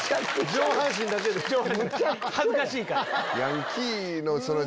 上半身だけ恥ずかしいから。